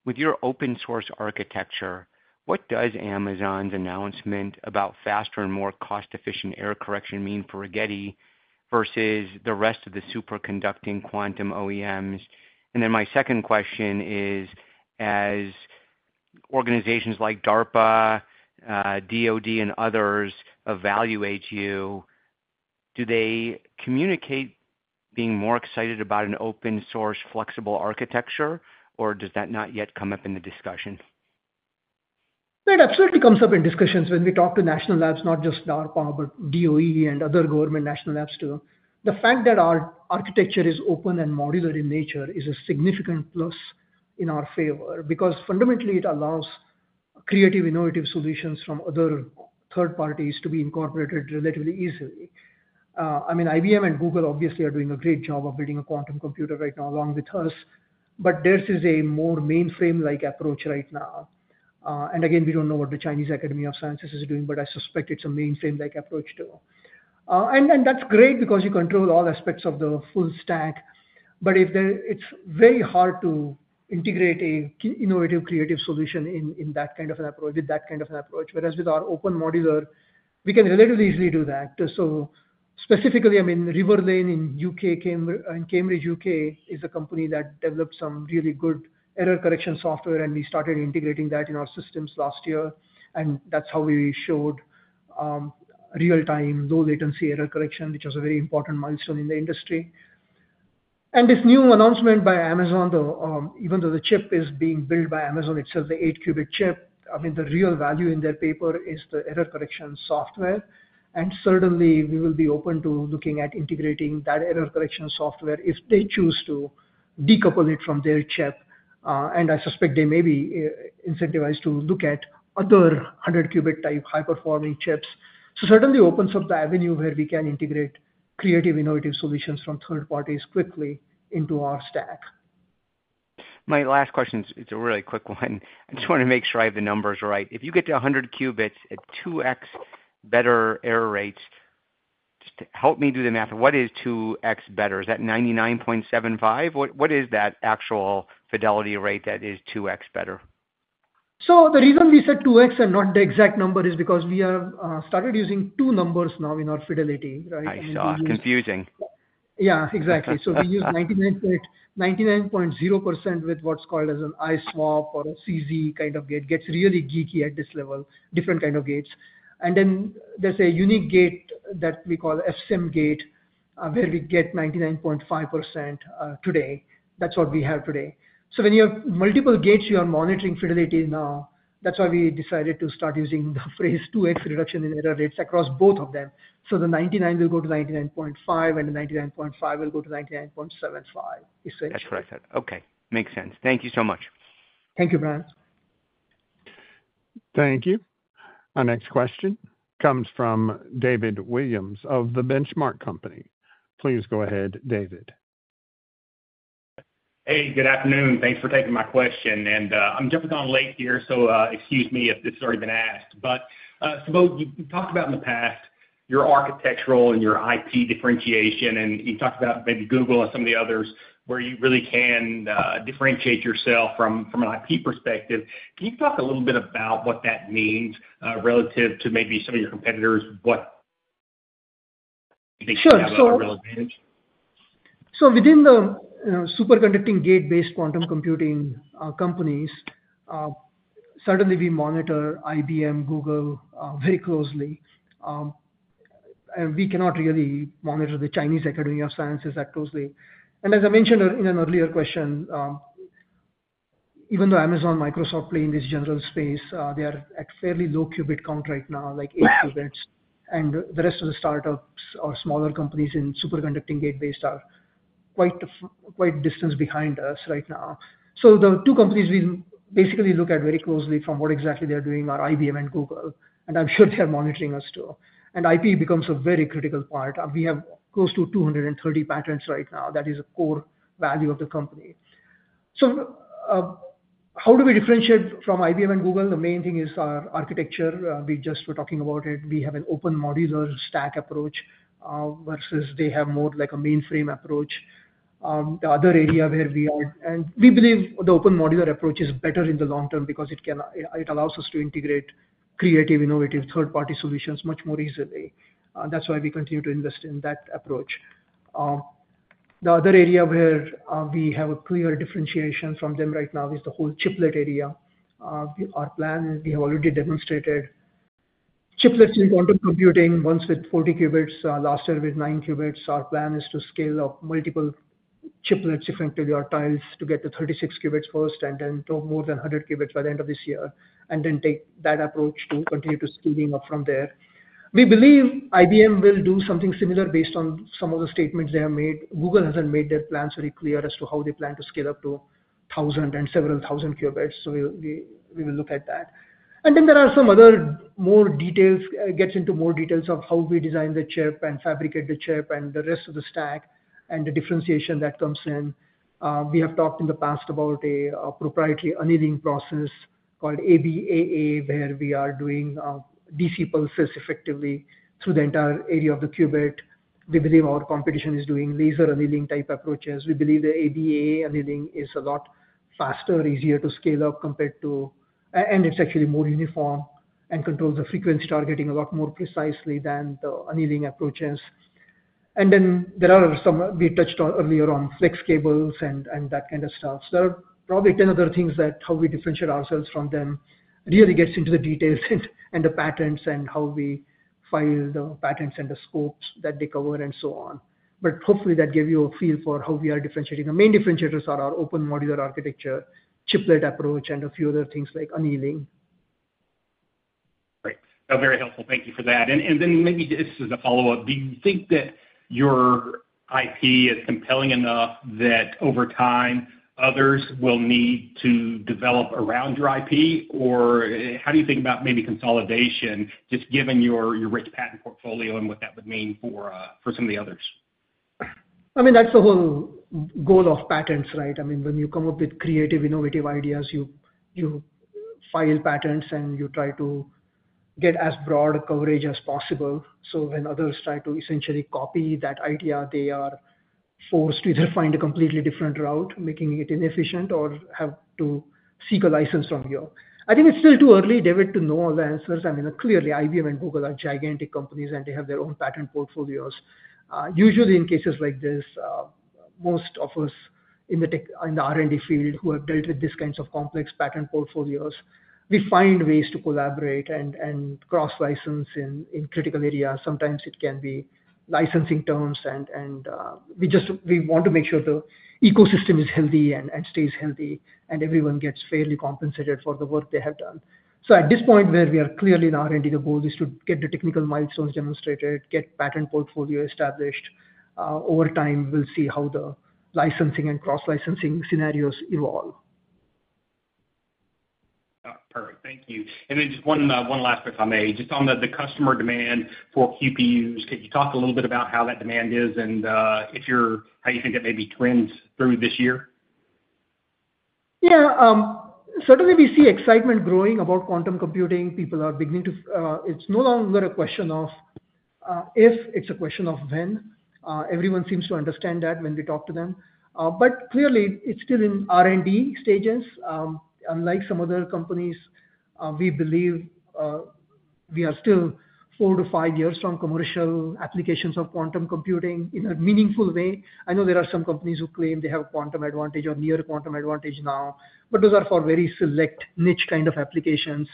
With your open-source architecture, what does Amazon's announcement about faster and more cost-efficient error correction mean for Rigetti versus the rest of the superconducting quantum OEMs? And then my second question is, as organizations like DARPA, DOD, and others evaluate you, do they communicate being more excited about an open-source flexible architecture, or does that not yet come up in the discussion? Right. Absolutely comes up in discussions when we talk to national labs, not just DARPA, but DOE and other government national labs too. The fact that our architecture is open and modular in nature is a significant plus in our favor because fundamentally it allows creative, innovative solutions from other third parties to be incorporated relatively easily. I mean, IBM and Google obviously are doing a great job of building a quantum computer right now along with us, but theirs is a more mainframe-like approach right now. And again, we don't know what the Chinese Academy of Sciences is doing, but I suspect it's a mainframe-like approach too. And that's great because you control all aspects of the full stack. But it's very hard to integrate an innovative, creative solution in that kind of an approach, with that kind of an approach. Whereas with our open modular, we can relatively easily do that. So, specifically, I mean, Riverlane in U.K., Cambridge, U.K., is a company that developed some really good error correction software, and we started integrating that in our systems last year. And that's how we showed real-time, low-latency error correction, which was a very important milestone in the industry. And this new announcement by Amazon, even though the chip is being built by Amazon itself, the eight-qubit chip, I mean, the real value in their paper is the error correction software. And certainly, we will be open to looking at integrating that error correction software if they choose to decouple it from their chip. And I suspect they may be incentivized to look at other 100-qubit type high-performing chips. So, certainly opens up the avenue where we can integrate creative, innovative solutions from third parties quickly into our stack. My last question is a really quick one. I just want to make sure I have the numbers right. If you get to 100 qubits at 2x better error rates, just help me do the math. What is 2x better? Is that 99.75? What is that actual fidelity rate that is 2x better? So, the reason we said 2x and not the exact number is because we have started using two numbers now in our fidelity, right? I saw it's confusing. Yeah, exactly. So, we use 99.0% with what's called as an iSWAP or a CZ kind of gate. It gets really geeky at this level, different kind of gates. And then there's a unique gate that we call fSim gate, where we get 99.5% today. That's what we have today. So, when you have multiple gates you are monitoring fidelity now, that's why we decided to start using the phrase 2x reduction in error rates across both of them. So, the 99 will go to 99.5 and the 99.5 will go to 99.75. That's what I said. Okay. Makes sense. Thank you so much. Thank you, Brian. Thank you. Our next question comes from David Williams of The Benchmark Company. Please go ahead, David. Hey, good afternoon. Thanks for taking my question. And I'm jumping on late here, so excuse me if this has already been asked. But, Subodh, you talked about in the past your architectural and your IP differentiation, and you talked about maybe Google and some of the others where you really can differentiate yourself from an IP perspective. Can you talk a little bit about what that means relative to maybe some of your competitors, what makes them have that real advantage? Sure. So, within the superconducting gate-based quantum computing companies, certainly we monitor IBM, Google very closely. We cannot really monitor the Chinese Academy of Sciences that closely. And as I mentioned in an earlier question, even though Amazon, Microsoft play in this general space, they are at fairly low qubit count right now, like eight qubits. And the rest of the startups or smaller companies in superconducting gate-based are quite distanced behind us right now. So, the two companies we basically look at very closely from what exactly they're doing are IBM and Google. And I'm sure they are monitoring us too. And IP becomes a very critical part. We have close to 230 patents right now. That is a core value of the company. So, how do we differentiate from IBM and Google? The main thing is our architecture. We just were talking about it. We have an open modular stack approach versus they have more like a mainframe approach. The other area where we are, and we believe the open modular approach is better in the long term because it allows us to integrate creative, innovative third-party solutions much more easily. That's why we continue to invest in that approach. The other area where we have a clear differentiation from them right now is the whole chiplet area. Our plan is we have already demonstrated chiplets in quantum computing, once with 40 qubits, last year with nine qubits. Our plan is to scale up multiple chiplets effectively or tiles to get to 36 qubits first and then to more than 100 qubits by the end of this year, and then take that approach to continue to scaling up from there. We believe IBM will do something similar based on some of the statements they have made. Google hasn't made their plans very clear as to how they plan to scale up to 1,000 and several thousand qubits. So, we will look at that. And then there are some other more details, gets into more details of how we design the chip and fabricate the chip and the rest of the stack and the differentiation that comes in. We have talked in the past about a proprietary annealing process called ABAA, where we are doing DC pulses effectively through the entire area of the qubit. We believe our competition is doing laser annealing type approaches. We believe the ABAA annealing is a lot faster, easier to scale up compared to, and it's actually more uniform and controls the frequency targeting a lot more precisely than the annealing approaches. And then there are some, we touched on earlier on flex cables and that kind of stuff. So, there are probably 10 other things that how we differentiate ourselves from them really gets into the details and the patents and how we file the patents and the scopes that they cover and so on. But hopefully that gave you a feel for how we are differentiating. The main differentiators are our open modular architecture, chiplet approach, and a few other things like annealing. Right. That's very helpful. Thank you for that. And then maybe this is a follow-up. Do you think that your IP is compelling enough that over time others will need to develop around your IP? Or how do you think about maybe consolidation, just given your rich patent portfolio and what that would mean for some of the others? I mean, that's the whole goal of patents, right? I mean, when you come up with creative, innovative ideas, you file patents and you try to get as broad a coverage as possible. So, when others try to essentially copy that idea, they are forced to either find a completely different route, making it inefficient, or have to seek a license from you. I think it's still too early, David, to know all the answers. I mean, clearly IBM and Google are gigantic companies and they have their own patent portfolios. Usually in cases like this, most of us in the R&D field who have dealt with these kinds of complex patent portfolios, we find ways to collaborate and cross-license in critical areas. Sometimes it can be licensing terms and we just want to make sure the ecosystem is healthy and stays healthy and everyone gets fairly compensated for the work they have done. So, at this point where we are clearly in R&D, the goal is to get the technical milestones demonstrated, get patent portfolio established. Over time, we'll see how the licensing and cross-licensing scenarios evolve. Perfect. Thank you, and then just one last question, just on the customer demand for QPUs, could you talk a little bit about how that demand is and how you think that maybe trends through this year? Yeah. Certainly, we see excitement growing about quantum computing. People are beginning to, it's no longer a question of if, it's a question of when. Everyone seems to understand that when we talk to them. But clearly, it's still in R&D stages. Unlike some other companies, we believe we are still four to five years from commercial applications of quantum computing in a meaningful way. I know there are some companies who claim they have a quantum advantage or near quantum advantage now, but those are for very select niche kind of applications.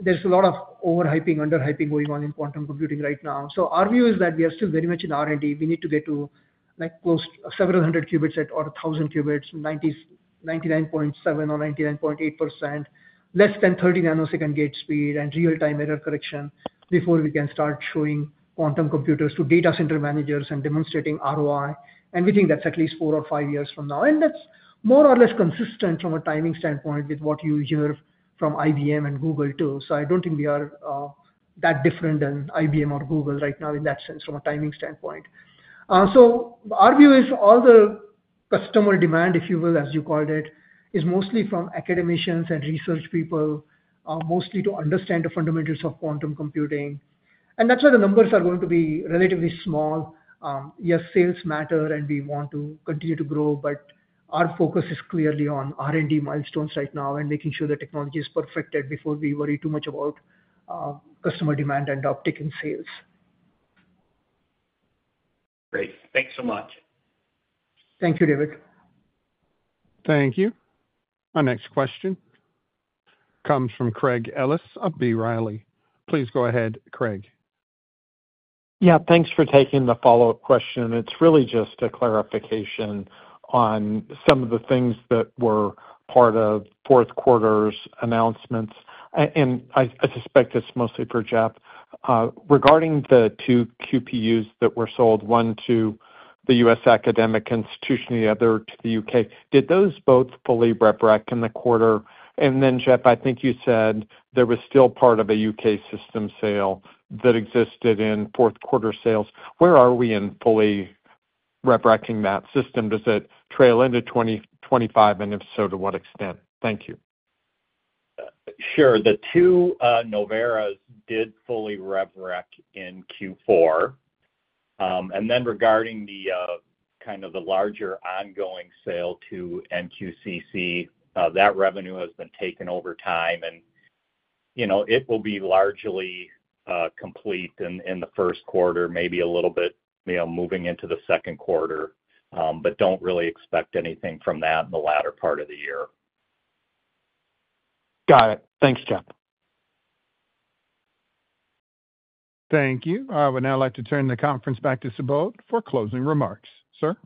There's a lot of overhyping, underhyping going on in quantum computing right now. So, our view is that we are still very much in R&D. We need to get to close to several hundred qubits or 1,000 qubits, 99.7% or 99.8%, less than 30 nanosecond gate speed and real-time error correction before we can start showing quantum computers to data center managers and demonstrating ROI, and we think that's at least four or five years from now, and that's more or less consistent from a timing standpoint with what you hear from IBM and Google too, so I don't think we are that different than IBM or Google right now in that sense from a timing standpoint, so our view is all the customer demand, if you will, as you called it, is mostly from academicians and research people, mostly to understand the fundamentals of quantum computing, and that's why the numbers are going to be relatively small. Yes, sales matter and we want to continue to grow, but our focus is clearly on R&D milestones right now and making sure the technology is perfected before we worry too much about customer demand and uptick in sales. Great. Thanks so much. Thank you, David. Thank you. Our next question comes from Craig Ellis of B. Riley. Please go ahead, Craig. Yeah. Thanks for taking the follow-up question. It's really just a clarification on some of the things that were part of fourth quarter's announcements. And I suspect it's mostly for Jeff. Regarding the two QPUs that were sold, one to the U.S. academic institution and the other to the U.K., did those both fully recognize in the quarter? And then, Jeff, I think you said there was still part of a U.K. system sale that existed in fourth quarter sales. Where are we in fully recognizing that system? Does it trail into 2025? And if so, to what extent? Thank you. Sure. The two Noveras did fully recognize in Q4. And then regarding the larger ongoing sale to NQCC, that revenue has been recognized over time. And it will be largely complete in the first quarter, maybe a little bit moving into the second quarter, but don't really expect anything from that in the latter part of the year. Got it. Thanks, Jeff. Thank you. I would now like to turn the conference back to Subodh for closing remarks. Sir.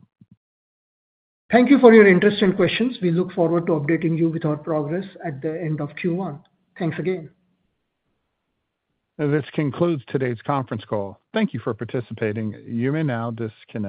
Thank you for your interest and questions. We look forward to updating you with our progress at the end of Q1. Thanks again. This concludes today's conference call. Thank you for participating. You may now disconnect.